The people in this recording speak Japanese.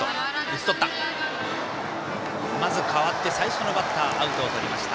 代わって最初のバッターアウトをとりました。